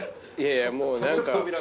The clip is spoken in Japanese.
いやいやもう何か。